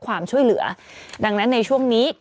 มีสารตั้งต้นเนี่ยคือยาเคเนี่ยใช่ไหมคะ